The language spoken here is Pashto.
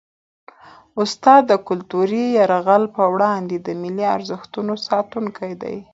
استاد د کلتوري یرغل په وړاندې د ملي ارزښتونو ساتونکی دی.